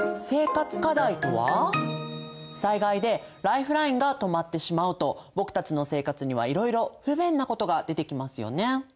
災害でライフラインが止まってしまうと僕たちの生活にはいろいろ不便なことが出てきますよね。